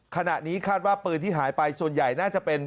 ขณะนี้คาดว่าปืนที่หายไปส่วนใหญ่น่าจะเป็น